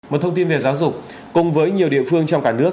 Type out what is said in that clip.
một thông tin về giáo dục cùng với nhiều địa phương trong cả nước